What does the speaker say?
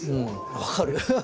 分かる。